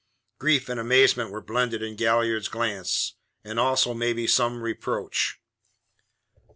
Grief and amazement were blended in Galliard's glance, and also, maybe, some reproach.